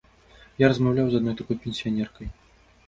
Я размаўляў з адной такой пенсіянеркай.